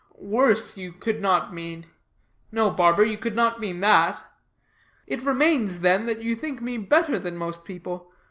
Worse, you could not mean; no, barber, you could not mean that; hardly that. It remains, then, that you think me better than most people.